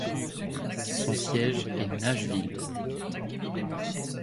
Son siège est Nashville.